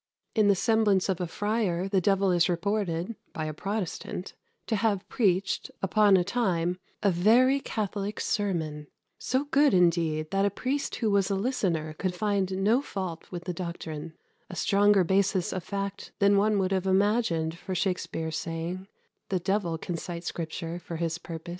In the semblance of a friar the devil is reported (by a Protestant) to have preached, upon a time, "a verie Catholic sermon;" so good, indeed, that a priest who was a listener could find no fault with the doctrine a stronger basis of fact than one would have imagined for Shakspere's saying, "The devil can cite Scripture for his purpose."